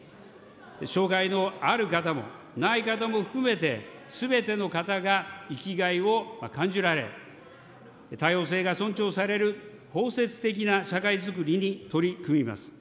障害のある方もない方も含めて、すべての方が生きがいを感じられ、多様性が尊重される包摂的な社会づくりに取り組みます。